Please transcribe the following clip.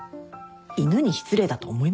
犬に失礼だと思いません？